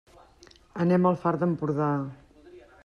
Anem al Far d'Empordà.